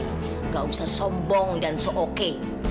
nggak usah sombong dan so oke